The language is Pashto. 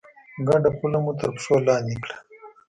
ګډه پوله مو تر پښو لاندې کړه.